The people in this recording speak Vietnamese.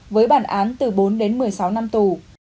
với bản án từ bốn đến một mươi sáu năm tù